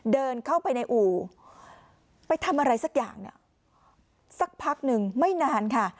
เดินเข้าไปในอู่ไปทำอะไรสักอย่างเนี่ยสักพักหนึ่งไม่นานค่ะ